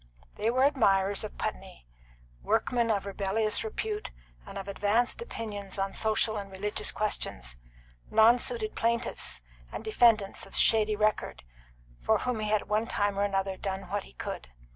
There were admirers of Putney: workmen of rebellious repute and of advanced opinions on social and religious questions; nonsuited plaintiffs and defendants of shady record, for whom he had at one time or another done what he could.